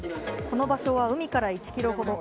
この場所は海から１ｋｍほど。